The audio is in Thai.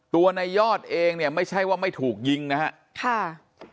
ตัวในยอดเองเนี่ยไม่ใช่ว่าไม่ถูกยิงนะฮะค่ะ